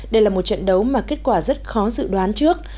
đây là một trận đấu mà kết quả rất khó dự đoán trước